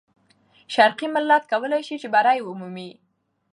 شرقي ملت کولای سي چې بری ومومي.